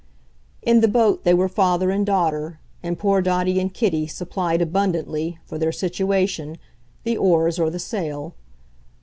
In the boat they were father and daughter, and poor Dotty and Kitty supplied abundantly, for their situation, the oars or the sail.